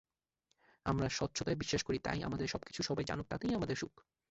আমরা স্বচ্ছতায় বিশ্বাস করি, তাই আমাদের সবকিছু সবাই জানুক, তাতেই আমাদের সুখ।